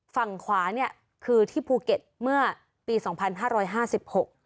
ฝั่งขวานี่คือที่ภูเก็ตเมื่อปี๒๕๕๖ลักษณะต่าง